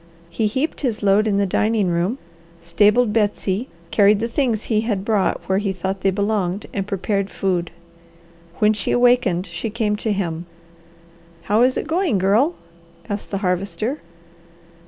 He heaped his load in the dining room, stabled Betsy, carried the things he had brought where he thought they belonged, and prepared food. When she awakened she came to him. "How is it going, Girl?" asked the Harvester.